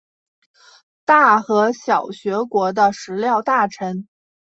大和小学国的食料大臣。